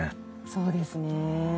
そうですね。